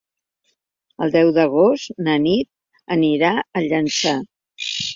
El deu d'agost na Nit anirà a Llançà.